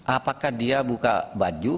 apakah dia buka baju